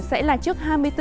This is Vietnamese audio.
sẽ là trước hai mươi bốn h